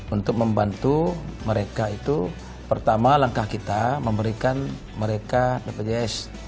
untuk membantu mereka itu pertama langkah kita memberikan mereka bpjs